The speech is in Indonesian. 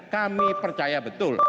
kami percaya betul